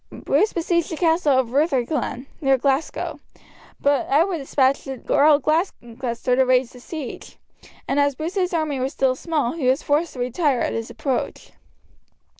Bruce besieged the castle of Rutherglen, near Glasgow; but Edward despatched the Earl of Gloucester to raise the siege, and as Bruce's army was still small he was forced to retire at his approach.